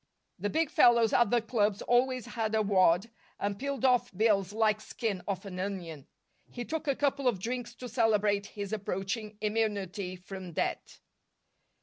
The big fellows at the clubs always had a wad and peeled off bills like skin off an onion. He took a couple of drinks to celebrate his approaching immunity from debt.